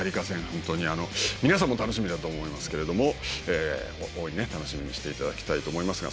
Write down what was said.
本当に皆さんも楽しみだと思いますけれども大いに楽しみにしていただきたいと思いますが。